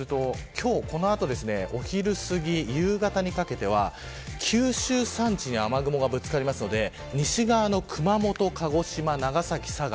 今日この後お昼すぎ、夕方にかけては九州山地に雨雲がぶつかりますので西側の熊本、鹿児島、長崎、佐賀